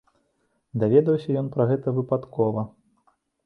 Даведаўся ён пра гэта выпадкова.